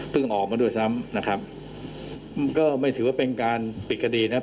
ออกมาด้วยซ้ำนะครับก็ไม่ถือว่าเป็นการปิดคดีนะครับ